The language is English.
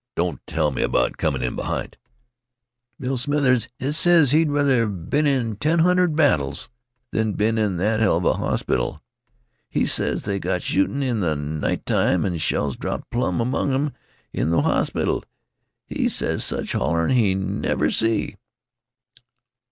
Don't tell me about comin' in behint " "Bill Smithers, he ses he'd rather been in ten hundred battles than been in that heluva hospital. He ses they got shootin' in th' night time, an' shells dropped plum among 'em in th' hospital. He ses sech hollerin' he never see."